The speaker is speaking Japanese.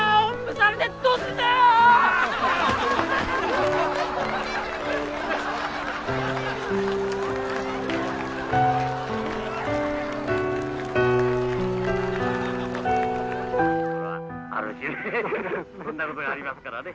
「そらこんなことがありますからね」。